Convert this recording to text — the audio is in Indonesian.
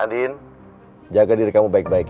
andin jaga diri kamu baik baik